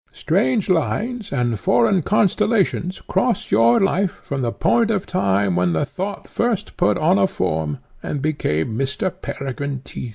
Strange lines and foreign constellations cross your life from the point of time when the thought first put on a form, and became Mr. Peregrine Tyss.